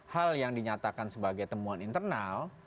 hal yang dinyatakan sebagai temuan internal